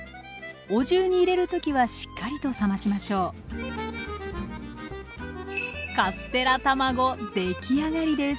お重に入れる時はしっかりと冷ましましょうできあがりです